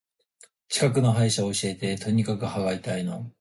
近くの歯医者教えて。とにかく歯が痛いの。